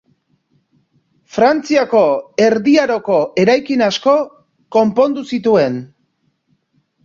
Frantziako Erdi Aroko eraikin asko konpondu zituen.